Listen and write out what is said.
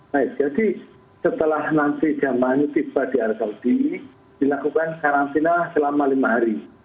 nah jadi setelah nanti jamannya tiba di arab saudi dilakukan karantina selama lima hari